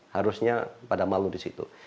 harusnya pada malu disitu